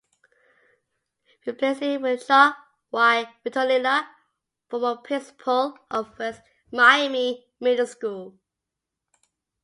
Replacing him was Jacques Y. Bentolila, former principal of West Miami Middle School.